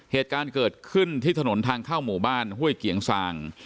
เหตุการณ์เกิดขึ้นที่ถนนทางเข้าหมู่บ้านห้วยเกียงซาง